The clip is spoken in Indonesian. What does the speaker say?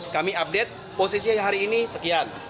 kami update posisi hari ini sekian